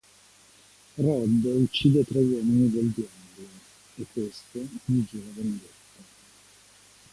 Rod uccide tre uomini del Diablo, e questo gli giura vendetta.